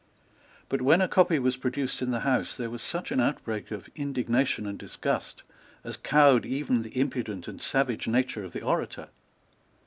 But, when a copy was produced in the House, there was such an outbreak of indignation and disgust, as cowed even the impudent and savage nature of the orator.